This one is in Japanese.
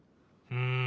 うん。